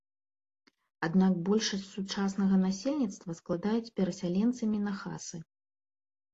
Аднак большасць сучаснага насельніцтва складаюць перасяленцы-мінахасы.